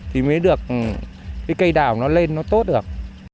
thì mới được cái cây đào nó lên nó tốt được